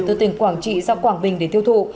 từ tỉnh quảng trị sang quảng bình để tiêu thụ